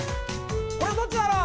これどっちだろう？